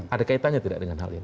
ada kaitannya tidak dengan hal ini